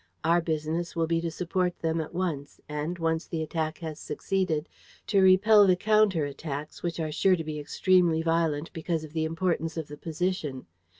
Our business will be to support them at once and, once the attack has succeeded, to repel the counter attacks, which are sure to be extremely violent because of the importance of the position.